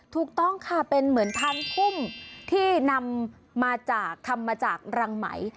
ถูกต้องค่ะเป็นเหมือนพานทุ่มที่ทำมาจากรังไหม